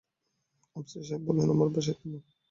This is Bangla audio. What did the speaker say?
আফসার সাহেব বললেন, আমার বাসায় চলুন।